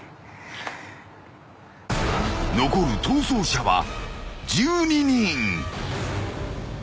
［残る逃走者は１２人］